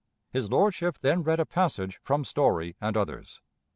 [His lordship then read a passage from Story and others.